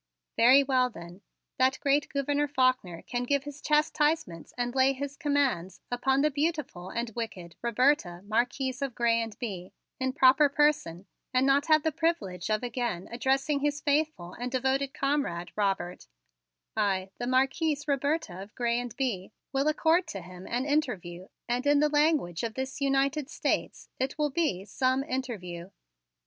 "Very well, then, that great Gouverneur Faulkner can give his chastisement and lay his commands upon the beautiful and wicked Roberta, Marquise of Grez and Bye, in proper person, and not have the privilege of again addressing his faithful and devoted comrade Robert, who is dead. I, the Marquise Roberta of Grez and Bye, will accord to him an interview and in the language of this United States it will be 'some' interview!"